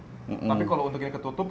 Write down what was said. tapi kalau untuk yang ketutup